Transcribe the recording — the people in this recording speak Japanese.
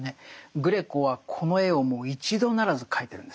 グレコはこの絵をもう一度ならず描いてるんです。